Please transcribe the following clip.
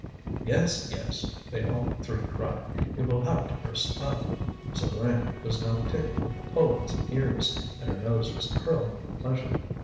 "Yes, yes," they all three cried. "It will have to burst up." Souvarine was now tickling Poland's ears, and her nose was curling with pleasure.